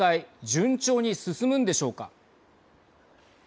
順調に進むんでしょうか。